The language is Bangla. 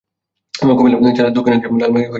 কুমিল্লা জেলার দক্ষিণ-মধ্যাংশে লালমাই উপজেলার অবস্থান।